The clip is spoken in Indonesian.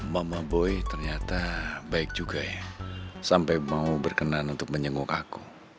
mama boy ternyata baik juga ya sampai mau berkenan untuk menjenguk aku